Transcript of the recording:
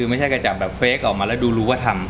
ไม่ใช่แบบเฟคมากมาด้วย